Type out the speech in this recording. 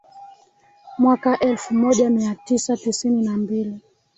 mwaka elfu moja mia tisa tisini na mbili